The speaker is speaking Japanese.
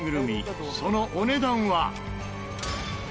そのお値段は。